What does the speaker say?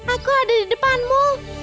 aku ada di depanmu